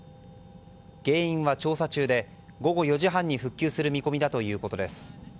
原因は調査中で午後４時半に復旧する見込みだということです。